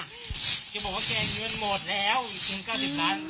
แกบอกว่าแกเงินหมดแล้วจริง๙๐ล้าน